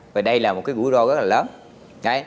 và đây là một cái rủi ro rất là lớn